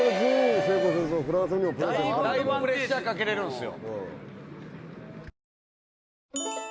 だいぶプレッシャーかけれるんすよ。